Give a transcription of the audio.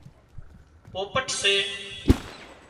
پوپٽ سي